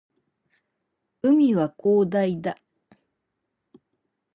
海は広大だ